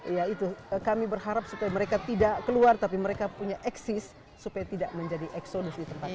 iya itu kami berharap supaya mereka tidak keluar tapi mereka punya eksis supaya tidak menjadi eksodus di tempat ini